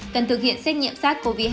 cần thực hiện xét nghiệm sars cov hai